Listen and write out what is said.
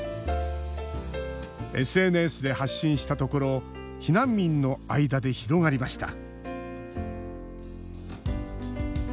ＳＮＳで発信したところ避難民の間で広がりました。